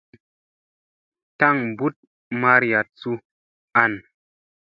Taŋ mbut mariyat zu an.